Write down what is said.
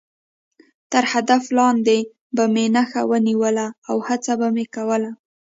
تر هدف لاندې به مې نښه ونیوله او هڅه به مې کوله.